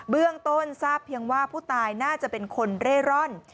เบื้องต้นทราบเพียงว่าผู้ตายน่าจะเป็นคนเร่ร่อน